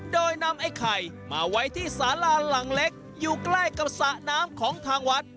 โดยนำไอ้ไข่มาไว้ที่สาราหลังเล็กอยู่ใกล้กับสระน้ำของทางวัด